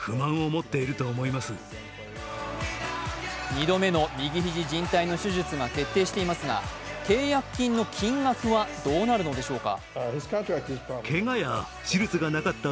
２度目の右肘じん帯の手術が決定していますが契約金の金額はどうなるのでしょうか？